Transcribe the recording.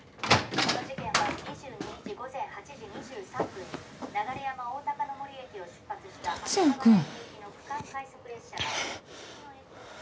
この事件は２２日午前８時２３分に流山おおたかの森駅を出発した達哉くん